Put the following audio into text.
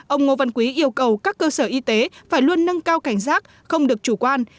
ông ngô văn quý yêu cầu các cơ sở y tế phải luôn nâng cao cảnh giác không được chủ quan